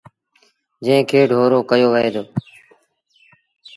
جݩهݩ کي ڍورو ڪهيو وهي دو۔